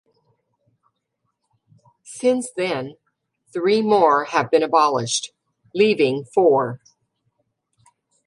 Since then, three more have been abolished, leaving four.